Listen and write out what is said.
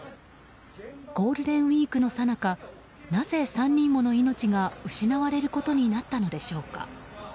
ゴールデンウィークのさなかなぜ３人もの命が失われることになったのでしょうか。